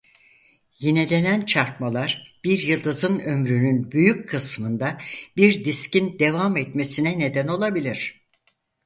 Yinelenen çarpmalar bir yıldızın ömrünün büyük kısmında bir diskin devam etmesine neden olabilir.